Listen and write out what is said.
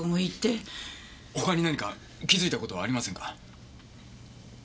他に何か気づいた事はありませんか？